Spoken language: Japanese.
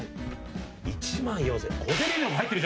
１万４，０００。